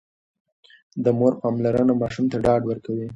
د مور پاملرنه ماشوم ته ډاډ ورکوي.